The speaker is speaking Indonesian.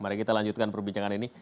mari kita lanjutkan perbincangan ini